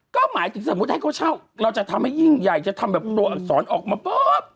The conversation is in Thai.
ก็หมายถึงสมมุติให้เขาเช่าเราจะทำให้ยิ่งใหญ่จะทำแบบตัวอักษรออกมาปุ๊บ